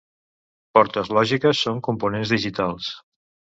Portes lògiques són components digitals.